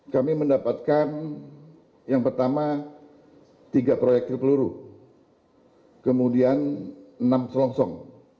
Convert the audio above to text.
kami mendapatkan yang pertama tiga proyektil peluru kemudian enam selongsong